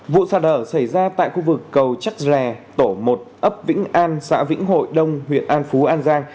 vụ xả đỡ xảy ra tại khu vực cầu chắc rè tổ một ấp vĩnh an xã vĩnh hội đông huyện an phú an giang